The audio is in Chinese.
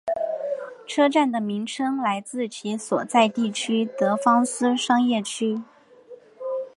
车站的名称来自其所在地拉德芳斯商业区。